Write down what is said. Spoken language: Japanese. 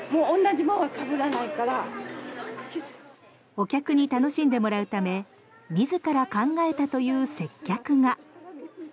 お客に楽しんでもらうため自ら考えたという接客が。